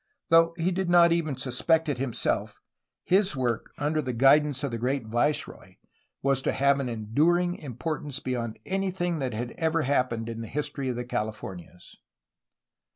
Though he did not even suspect it himself, his work, under the guidance of the great viceroy, was to have an enduring importance beyond anything that had ever happened in the history of the Calif ornias.